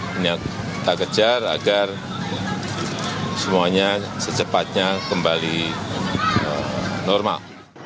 kita kejar agar semuanya secepatnya kembali normal